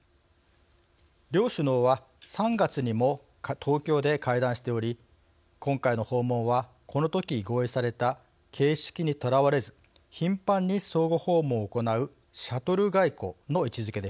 両首脳は３月にも東京で会談しており今回の訪問はこの時合意された形式にとらわれず頻繁に相互訪問を行うシャトル外交の位置づけでした。